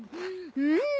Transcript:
うん！